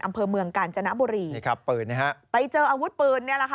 อำเภอเมืองกาญจนบุรีไปเจออาวุธปืนเนี่ยแหละค่ะ